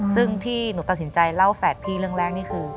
ซึ่งที่หนูตัดสินใจเล่าแฝดพี่เรื่องแรกนี่คือ